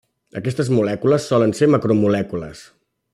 Aquestes molècules solen ser macromolècules.